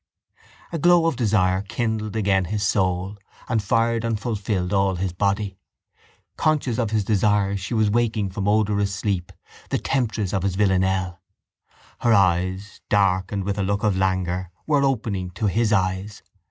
A glow of desire kindled again his soul and fired and fulfilled all his body. Conscious of his desire she was waking from odorous sleep, the temptress of his villanelle. Her eyes, dark and with a look of languor, were opening to his eyes.